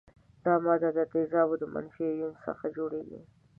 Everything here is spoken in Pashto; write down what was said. دا ماده د تیزابو د منفي ایون څخه جوړیږي.